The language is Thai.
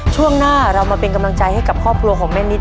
ช่วงหน้าเรามาเป็นกำลังใจให้กับครอบครัวของแม่นิด